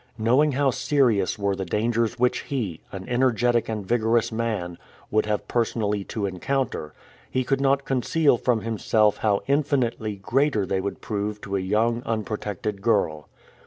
Knowing how serious were the dangers which he, an energetic and vigorous man, would have personally to encounter, he could not conceal from himself how infinitely greater they would prove to a young unprotected girl.